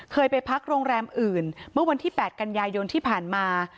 ไปพักโรงแรมอื่นเมื่อวันที่๘กันยายนที่ผ่านมา